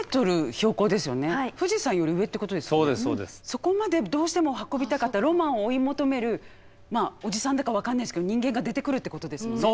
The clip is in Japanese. そこまでどうしても運びたかったロマンを追い求めるおじさんだか分かんないですけど人間が出てくるってことですもんね。